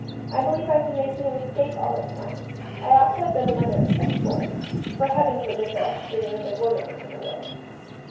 I believe IVe been making a mistake all this time. I ought to have been the mother of six boys — for Heaven forbid that I should bring another woman into the world."